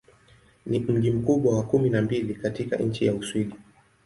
Ni mji mkubwa wa kumi na mbili katika nchi wa Uswidi.